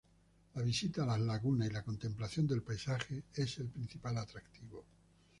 La visita a las lagunas y la contemplación del paisaje es el principal atractivo.